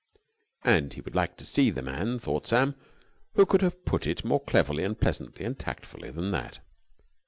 And he would like to see the man, thought Sam, who could have put it more cleverly and pleasantly and tactfully than that.